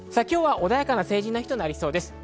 今日は穏やかな成人の日となりそうです。